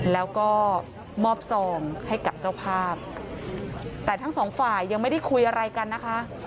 แล้วก็มอบซองให้กับเจ้าภาพแต่ทั้งสองฝ่ายยังไม่ได้คุยอะไรกันนะคะ